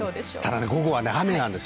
午後は雨なんです。